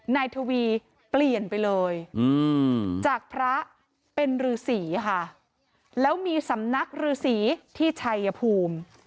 นายทวีเปลี่ยนไปเลยจากพระเป็นฤษีค่ะแล้วมีสำนักฤษีที่ชัยภูมิ